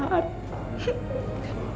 saat kamu tuh